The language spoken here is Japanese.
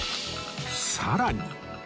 さらに